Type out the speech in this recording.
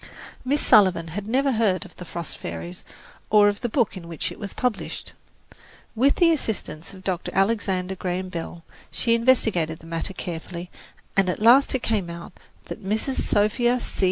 Miss Sullivan had never heard of "The Frost Fairies" or of the book in which it was published. With the assistance of Dr. Alexander Graham Bell, she investigated the matter carefully, and at last it came out that Mrs. Sophia C.